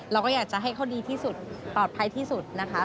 เราก็อยากจะให้เขาดีที่สุดปลอดภัยที่สุดนะคะ